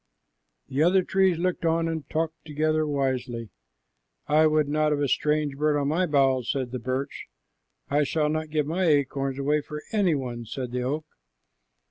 The other trees looked on and talked together wisely. "I would not have strange birds on my boughs," said the birch. "I shall not give my acorns away for any one," said the oak.